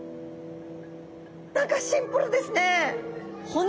何かシンプルですね！